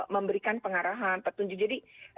memberikan pengarahan petunjuk jadi